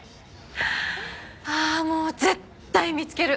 ああもう絶対見つける！